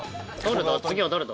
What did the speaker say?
次は誰だ？